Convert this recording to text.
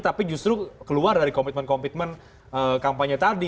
tapi justru keluar dari komitmen komitmen kampanye tadi